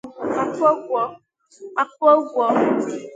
ma kwụọ ụgwọ